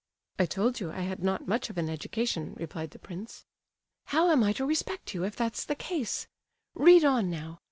"I told you I had not had much of an education," replied the prince. "How am I to respect you, if that's the case? Read on now.